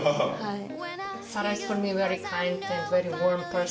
はい。